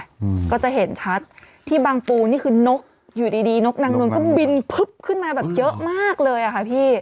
อืมก็จะเห็นชัดที่บางปูนี่คือนกอยู่ดีดีนกนางนวลก็บินพึบขึ้นมาแบบเยอะมากเลยอ่ะค่ะพี่